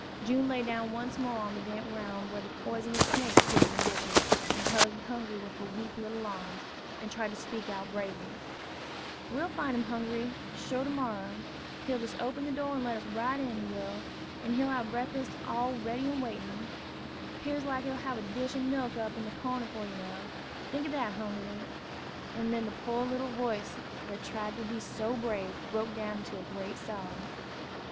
June lay down once more on the damp ground where the poisonous snakes hid in the bushes, and hugged Hungry with her weak little arms, and tried to speak out bravely: "We'll fine him, Hungry, sure, to morrer. He'll jes' open de door an' let us right in, he will; an' he'll hab breakfas' all ready an' waitin'; 'pears like he'll hab a dish ob milk up in de corner for you now, tink o' dat ar, Hungry!" and then the poor little voice that tried to be so brave broke down into a great sob.